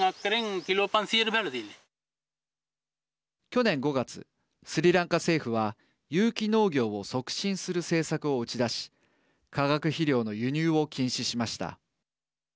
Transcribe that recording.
去年５月スリランカ政府は有機農業を促進する政策を打ち出し化学肥料の輸入を禁止しました。